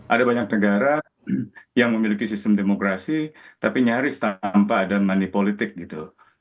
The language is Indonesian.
ada banyak negara yang memiliki sistem demokrasi tapi nyaris tanpa ada money politik gitu